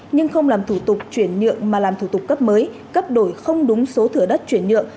nhưng không làm thủ tục chuyển nhượng mà làm thủ tục cấp mới cấp đổi không đúng số thửa đất chuyển nhượng